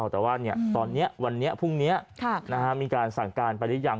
แต่ว่าตอนนี้วันนี้พรุ่งนี้มีการสั่งการไปหรือยัง